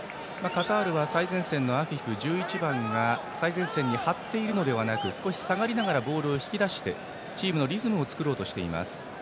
カタールは最前線の１１番、アフィフ最前線に張っているのではなく少し下がりながらボールを引き出してチームのリズムを作ろうとしています。